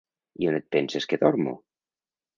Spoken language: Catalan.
I on et penses que dormo?